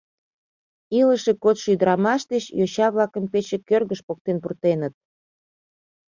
Илыше кодшо ӱдырамаш ден йоча-влакым пече кӧргыш поктен пуртеныт.